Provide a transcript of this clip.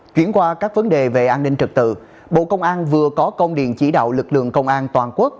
chuyển qua các vấn đề về an ninh trật tự bộ công an vừa có công điện chỉ đạo lực lượng công an toàn quốc